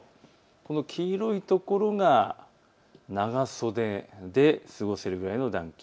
この黄色いところが長袖で過ごせるくらいの暖気。